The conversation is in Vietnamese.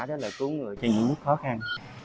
đó là cứu người trên những khó khăn